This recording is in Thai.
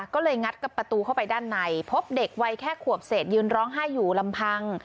ก็เลยงัดกับประตูเข้าไปด้านในพบเด็กวัยแค่ขวบเศษยืนร้องไห้อยู่ลำพัง